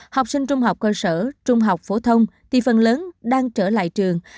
học sinh trung học cơ sở trung học phổ thông thì phần lớn đang trở lại trường